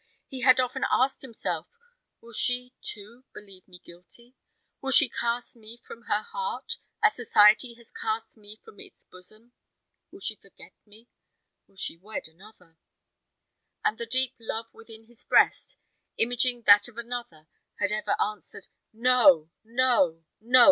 He had often asked himself, "Will she, too, believe me guilty? Will she cast me from her heart, as society has cast me from its bosom? Will she forget me? Will she wed another?" And the deep love within his breast, imaging that of another, had ever answered, "No, no, no!